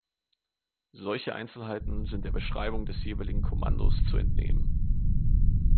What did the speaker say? Solche Einzelheiten sind der Beschreibung des jeweiligen Kommandos zu entnehmen.